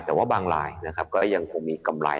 แต่ว่าบางรายนะครับก็ยังคงมีกำไร